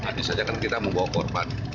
hanya saja kan kita membawa korban